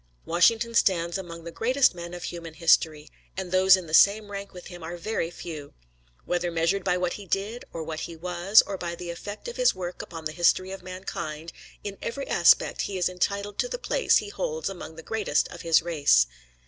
Washington stands among the greatest men of human history, and those in the same rank with him are very few. Whether measured by what he did, or what he was, or by the effect of his work upon the history of mankind, in every aspect he is entitled to the place he holds among the greatest of his race.